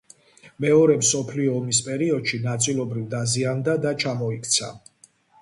მეორე მსოფლიო ომის პერიოდში ნაწილობრივ დაზიანდა და ჩამოიქცა.